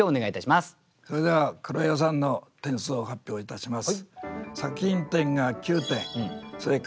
それでは黒岩さんの点数を発表いたします。